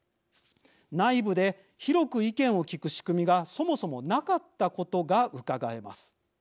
内部で広く意見を聞く仕組みがそもそもなかったことがうかがえます。